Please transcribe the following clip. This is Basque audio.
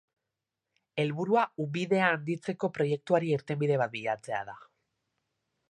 Helburua, ubidea handitzeko proiektuari irtenbide bat bilatzea da.